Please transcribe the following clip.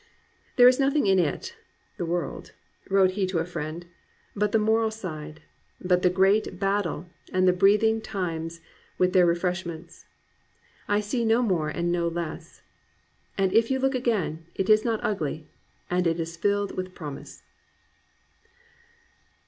"There is nothing in it [the world]," wrote he to a friend, "but the moral side — ^but the great battle and the breathing times with their refreshments. I see no more and no less. And if you look again, it is not ugly, and it is filled with promise."